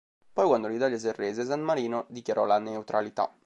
Poi, quando l'Italia si arrese, San Marino dichiarò la neutralità.